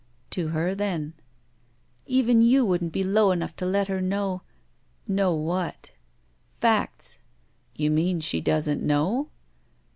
To her, then." Even you woiddn't be low enough to let her know —" "Know what?" "Facts." "You mean she doesn't know?"